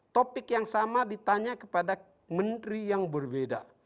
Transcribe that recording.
topik yang sama ditanya kepada menteri yang berbeda